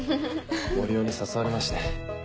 森生に誘われまして。